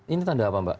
ini tanda apa mbak